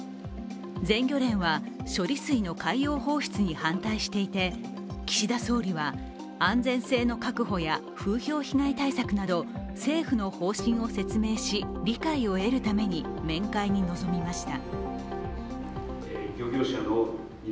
全漁連は処理水の海洋放出に反対していて岸田総理は、安全性の確保や風評被害対策など政府の方針を説明し、理解を得るために面会に臨みました。